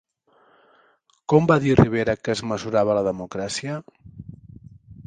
Com va dir Rivera que es mesurava la democràcia?